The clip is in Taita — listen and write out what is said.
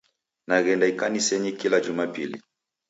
Naghenda ikanisenyi kila jumapili.